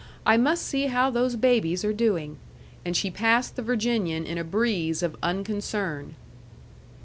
I must see how those babies are doing." And she passed the Virginian in a breeze of unconcern.